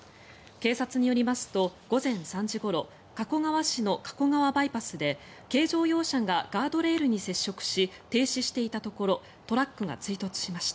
警察によりますと、午前３時ごろ加古川市の加古川バイパスで軽乗用車がガードレールに接触し停止していたところトラックが追突しました。